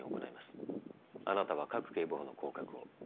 あなたは賀来警部補の行確を。